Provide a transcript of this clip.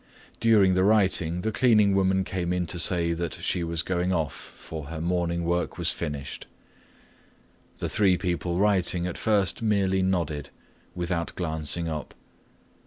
During the writing the cleaning woman came in to say that she was going off, for her morning work was finished. The three people writing at first merely nodded, without glancing up.